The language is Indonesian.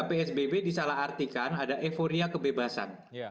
psbb disalah artikan ada euforia kebebasan